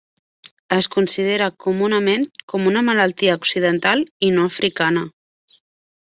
Es considera comunament com una malaltia occidental i no africana.